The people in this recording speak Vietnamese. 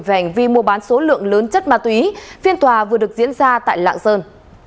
về hành vi mua bán số lượng lớn chất ma túy phiên tòa vừa được diễn ra tại lạng sơn